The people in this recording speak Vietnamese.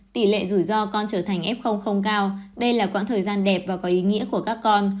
tỷ lệ rủi ro con trở thành f không cao đây là quãng thời gian đẹp và có ý nghĩa của các con